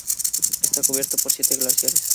Está cubierto por siete glaciares.